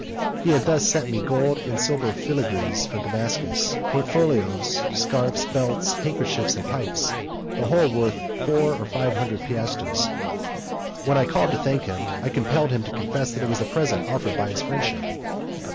He had thus sent me gold and silver filigrees from Damascus, portfolios, scarfs, belts, handkerchiefs and pipes, the whole worth four or five hundred piasters. When I called to thank him, I compelled him to confess that it was a present offered by his friendship.